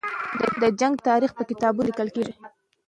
د جنګ تاریخ به په کتابونو کې لیکل کېږي.